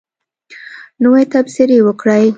نوی تبصرې وکړئ